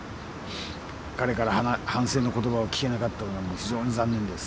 彼から反省の言葉を聞けなかったのがもう非常に残念です。